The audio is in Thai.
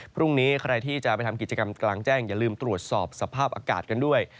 พรุ่งนี้ใครที่จะไปทำกิจกรรมกลางแจ้งอย่าลืมตรวจสอบสภาพอากาศกันด้วย